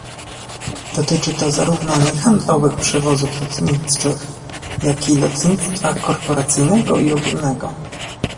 Dotyczy to zarówno niehandlowych przewozów lotniczych, jak i lotnictwa korporacyjnego i ogólnego